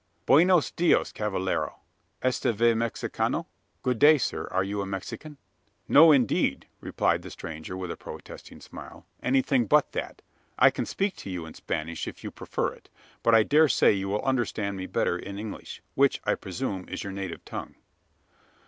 Buenos dias, cavallero! Esta V. Mexicano?" (Good day, sir! are you a Mexican?) "No, indeed," replied the stranger, with a protesting smile. "Anything but that. I can speak to you in Spanish, if you prefer it; but I dare say you will understand me better in English: which, I presume, is your native tongue?"